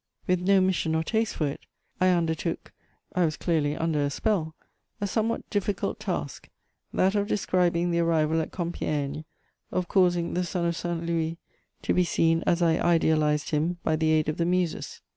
With no mission or taste for it, I undertook (I was clearly under a spell) a somewhat difficult task, that of describing the arrival at Compiègne, of causing the son of St. Louis to be seen as I idealized him by the aid of the Muses.